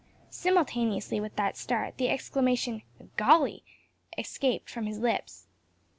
Simultaneously with that start the exclamation "Golly!" escaped from his lips.